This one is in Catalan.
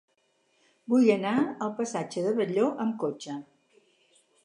Vull anar al passatge de Batlló amb cotxe.